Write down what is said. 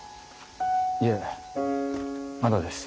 いえまだです。